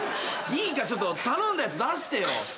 いいからちょっと頼んだやつ出してよ。